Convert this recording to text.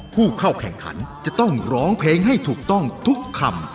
ผู้เข้าแข่งขันจะต้องร้องเพลงให้ถูกต้องทุกคำ